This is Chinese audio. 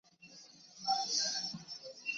日军相继攻下重镇包头。